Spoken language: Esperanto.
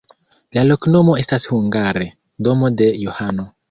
La loknomo estas hungare: domo de Johano.